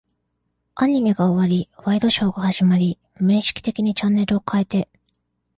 アニメが終わり、ワイドショーが始まり、無意識的にチャンネルを変えて、